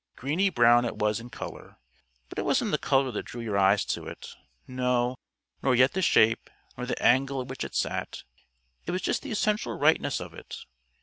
Greeny brown it was in colour; but it wasn't the colour that drew your eyes to it no, nor yet the shape, nor the angle at which it sat. It was just the essential rightness of it.